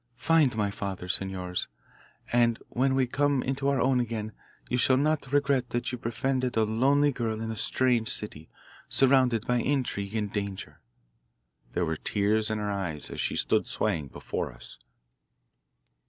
Find my father, senores, and when we come into our own again you shall not regret that you befriended a lonely girl in a strange city, surrounded by intrigue and danger." There were tears in her eyes as she stood swaying before us.